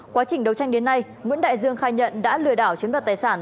quá trình đấu tranh đến nay nguyễn đại dương khai nhận đã lừa đảo chiếm đoạt tài sản